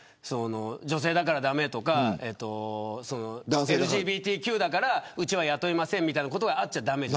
女性だから駄目とかＬＧＢＴＱだからうちは雇いませんみたいなことがあっちゃ駄目。